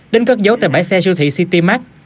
đến cất giấu tại bãi xe siêu thị citymax